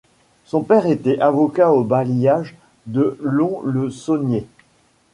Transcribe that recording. Son père était avocat au bailliage de Lons-le-Saunier.